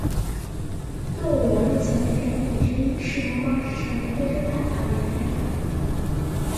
动物园目前的展品之一是暮光之城的非洲大草原。